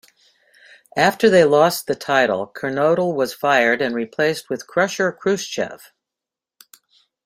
After they lost the title, Kernodle was fired and replaced with Krusher Khruschev.